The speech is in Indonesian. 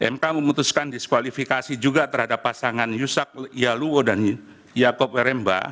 mk memutuskan diskualifikasi juga terhadap pasangan yusak yaluwo dan yaakob remba